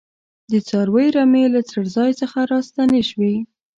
د څارویو رمې له څړځای څخه راستنې شوې.